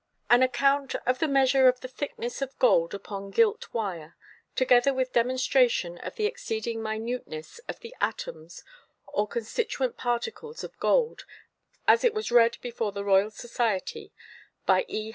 _ _An Account of the Measure of the thickness of Gold upon Gilt Wire; together with Demonstration of the exceeding Minuteness of the Atoms or constituent Particles of Gold; as it was read before the Royal Society, by _E.